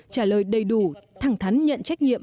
trả lời đầy đủ thẳng thắn nhận trách nhiệm